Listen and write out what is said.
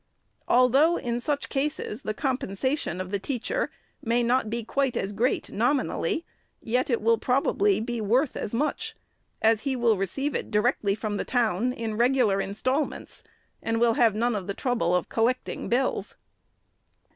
Although, in such cases, the compensation of the teacher may not be quite as great, nominally, yet it will probably be worth as much ; as he will receive it directly from the town, in regular instalments, and will have none of the trouble of collecting bills.